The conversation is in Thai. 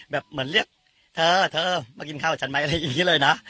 แบบเหมือนเรียกเธอเธอมากินข้าวฉันไหมอะไรอย่างนี้เลยนะ